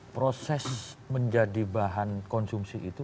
proses menjadi bahan konsumsi itu